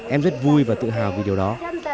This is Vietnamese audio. em rất vui và tự hào vì điều đó